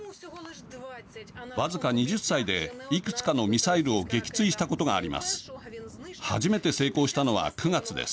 僅か２０歳でいくつかのミサイルを撃墜したことがあります。